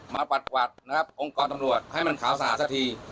มาปัดองค์กรตำรวจให้มันข่าวสะอาดซะที